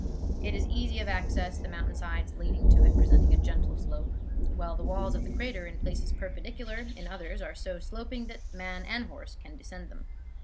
It is easy of access, the mountain sides leading to it presenting a gentle slope; while the walls of the crater, in places perpendicular, in others are so sloping that man and horse can descend them.